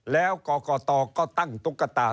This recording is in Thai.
แล้วกรกตก็ตั้งตุ๊กตา